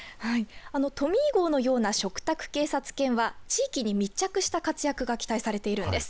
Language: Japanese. トミー号のような嘱託警察犬は地域に密着した活躍が期待されているんです。